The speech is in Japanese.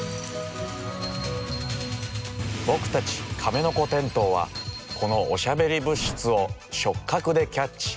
僕たちカメノコテントウはこのおしゃべり物質を触角でキャッチ！